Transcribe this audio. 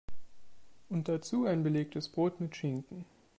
Und dazu ein belegtes Brot mit Schinken.